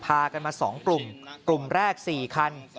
พากันมา๒กลุ่มกลุ่มแรก๔คัน